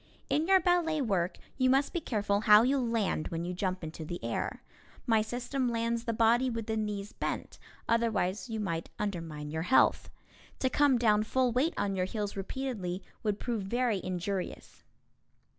In your ballet work you must be careful how you land when you jump into the air. My system lands the body with the knees bent, otherwise you might undermine your health. To come down full weight on your heels repeatedly would prove very injurious.